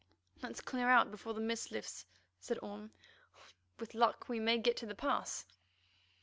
"Let's clear out before the mist lifts," said Orme. "With luck we may get to the pass."